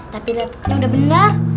tapi lip udah bener